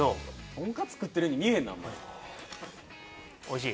とんかつ食ってるように見えへんなあんまりおいしい？